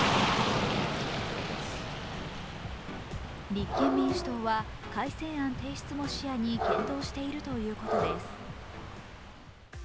立憲民主党は改正案提出も視野に検討しているということです。